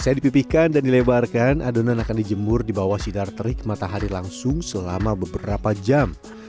saya di pipihkan dan dilebarkan adonan akan dijemur dibawah sidar terik matahari langsung selama beberapa jam